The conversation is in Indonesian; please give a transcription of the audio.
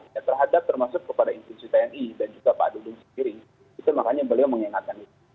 ya terhadap termasuk kepada institusi tni dan juga pak dudung sendiri itu makanya beliau mengingatkan itu